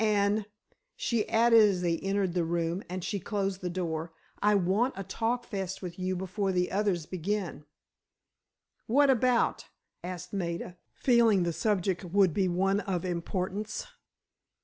And," she added as they entered the room, and she closed the door, "I want a talkfest with you before the others begin." "What about?" asked Maida, feeling the subject would be one of importance.